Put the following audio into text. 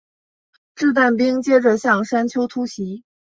掷弹兵接着向山丘突袭。